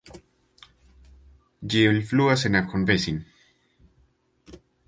Ĝi elfluas en Akonvesin.